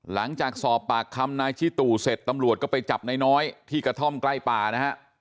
หลังจากสอบปากคำนายชิตู่เสร็จตำรวจก็ไปจับนายน้อยที่กระท่อมใกล้ป่านะฮะ